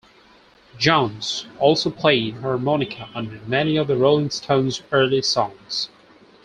Jones also played harmonica on many of the Rolling Stones' early songs.